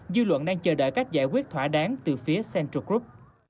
dư luận đang chờ đợi cách giải quyết thỏa đáng từ phía central group